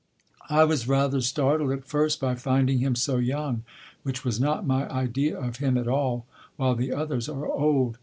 I was rather startled at first by finding him so young, which was not my idea of him at all, while the others are old.